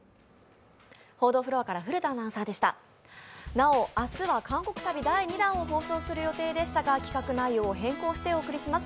なお明日は韓国旅第７弾をお送りする予定でしたが企画内容を変更してお送りします。